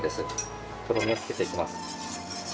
とろみをつけていきます。